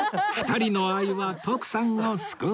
２人の愛は徳さんを救う